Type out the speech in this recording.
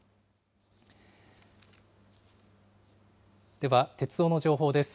では、鉄道の情報です。